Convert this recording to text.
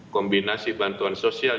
kombinasi bantuan sosial